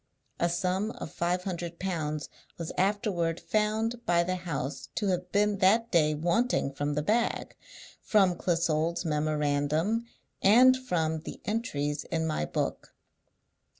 A sum of five hundred pounds was afterward found by the house to have been that day wanting from the bag, from Clissold's memorandum, and from the entries in my book.